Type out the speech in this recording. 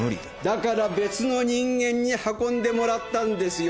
だから別の人間に運んでもらったんですよ